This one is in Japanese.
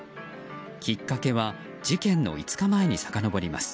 きっかけは事件の５日前にさかのぼります。